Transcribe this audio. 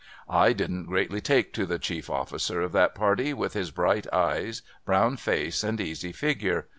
I didn't greatly take to the chief officer of that party, with his bright eyes, brown face, and easy figure.